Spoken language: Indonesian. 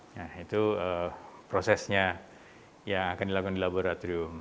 nah itu prosesnya yang akan dilakukan di laboratorium